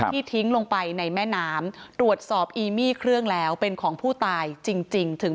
ทิ้งลงไปในแม่น้ำตรวจสอบอีมี่เครื่องแล้วเป็นของผู้ตายจริงถึง